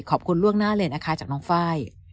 ขอบคุณล่วงหน้าเลนอาคารจากน้องไฟ่